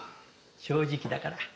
正直だから。